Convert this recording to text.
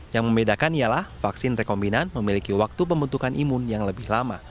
yang membedakan ialah vaksin rekombinan memiliki waktu pembentukan imun yang lebih lama